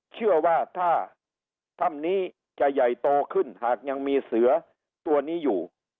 เชื่อว่าถ้าถ้ำนี้จะใหญ่โตขึ้นหากยังมีเสือตัวนี้อยู่